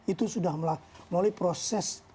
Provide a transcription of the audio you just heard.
itu sudah melalui proses